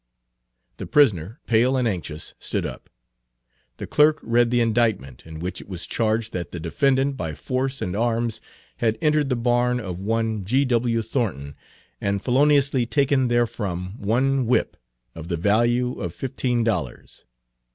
The prisoner, pale and anxious, stood up. The clerk read the indictment, in which it was charged that the defendant by force and arms had entered the barn of one G. W. Thornton, and feloniously taken therefrom one whip, of the value of fifteen dollars.